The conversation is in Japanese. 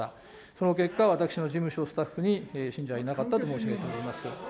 その結果、私の事務所スタッフに信者はいなかったと申し上げておきます。